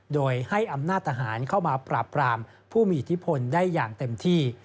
โดยให้อำนาจทหารเข้ามาปราบรามผู้มีอิทธิพลได้อย่างเต็มที่